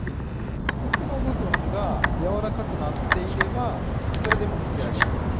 茎の部分がやわらかくなっていればそれで引き上げます。